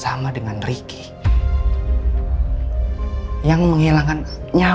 kamu tetap lima saja ogok ogok dia akan merindukan kebalikannya